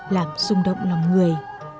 làm rung động lòng người